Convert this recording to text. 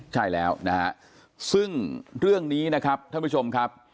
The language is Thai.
ใช่แล้วนะฮะซึ่งเรื่องนี้นะครับท่านผู้ชมครับ